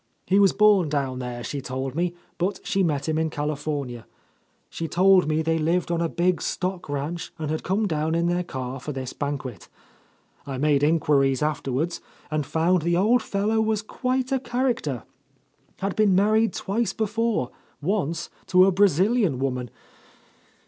He was born down there, she told me, but she met him in California. She told me they lived on a big stock ranch and had come down in their car for this banquet. I made inquiries afterward and found the old fellow was quite a character; had been married twice before, once to a Brazilian woman.